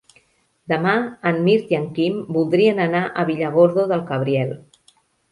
Demà en Mirt i en Quim voldrien anar a Villargordo del Cabriel.